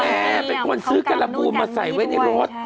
แม่เป็นคนซื้อการบูนมาใส่ไว้ในรถ